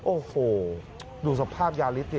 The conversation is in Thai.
โอ้โหดูสภาพยาริสสิ